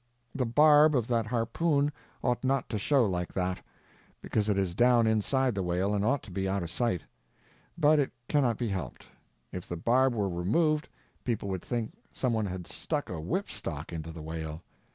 The barb of that harpoon ought not to show like that, because it is down inside the whale and ought to be out of sight, but it cannot be helped; if the barb were removed people would think some one had stuck a whip stock into the whale.